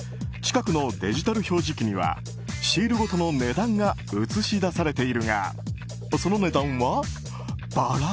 近くのデジタル表示機にはシールごとの値段が映し出されているが